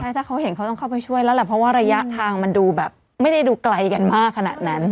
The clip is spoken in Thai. ใช่ถ้าเขาเห็นเขาต้องเข้าไปช่วยแล้วแหละเพราะว่าระยะทางมันดูแบบไม่ได้ดูไกลกันมากขนาดนั้น